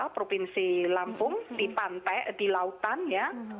provinsi lampung di pantai di lautan ya